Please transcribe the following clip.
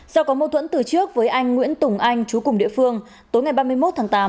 do có mâu thuẫn từ trước với anh nguyễn tùng anh chú cùng địa phương tối ngày ba mươi một tháng tám